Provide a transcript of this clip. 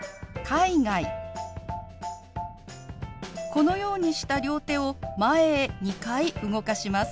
このようにした両手を前へ２回動かします。